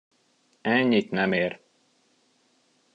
Ennyit nem ér.